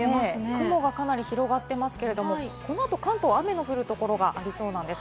雲が広がっていますけれども、このあと関東は雨の降る所がありそうです。